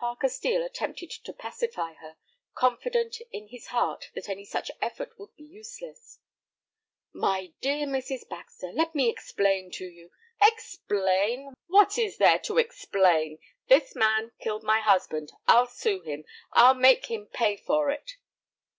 Parker Steel attempted to pacify her, confident in his heart that any such effort would be useless. "My dear Mrs. Baxter, let me explain to you—" "Explain! What is there to explain? This man's killed my husband. I'll sue him, I'll make him pay for it."